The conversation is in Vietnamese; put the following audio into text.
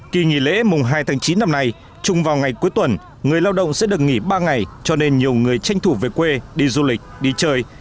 kỳ nghỉ lễ mùng hai tháng chín năm nay chung vào ngày cuối tuần người lao động sẽ được nghỉ ba ngày cho nên nhiều người tranh thủ về quê đi du lịch đi chơi